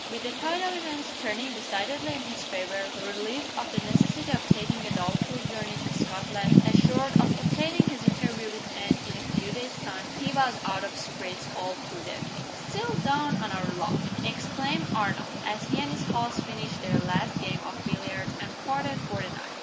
With the tide of events turning decidedly in his favor relieved of the necessity of taking a doubtful journey to Scotland; assured of obtaining his interview with Anne in a few days' time he was out of spirits all through the evening. "Still down on our luck!" exclaimed Arnold, as he and his host finished their last game of billiards, and parted for the night.